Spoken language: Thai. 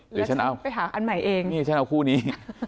เดี๋ยวฉันเอาไปหาอันใหม่เองนี่ฉันเอาคู่นี้